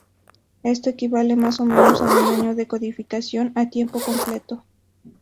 Esto equivale más o menos a un año de codificación a tiempo completo.